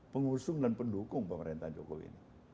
pengusung dan pendukung pemerintahan jokowi ini